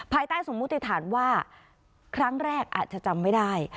ภายใต้สมมุติฐานว่าครั้งแรกอาจจะจำไม่ได้